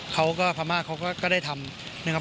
เขาก็พม่าเขาก็ได้ทำนะครับ